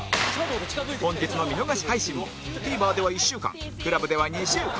本日の見逃し配信も ＴＶｅｒ では１週間 ＣＬＵＢ では２週間